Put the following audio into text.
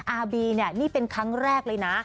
อาบีเนี่ยนี่เป็นครั้งแรกเลยนะ